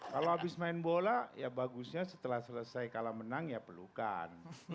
kalau habis main bola ya bagusnya setelah selesai kalah menang ya pelukan